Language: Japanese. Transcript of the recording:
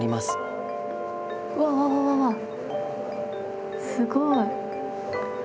すごい。